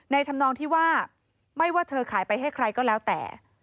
ทำนองที่ว่าไม่ว่าเธอขายไปให้ใครก็แล้วแต่